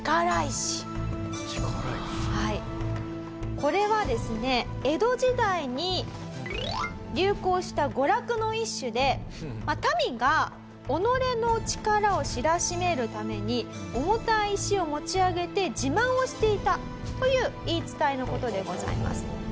これはですね江戸時代に流行した娯楽の一種で民が己の力を知らしめるために重たい石を持ち上げて自慢をしていたという言い伝えの事でございます。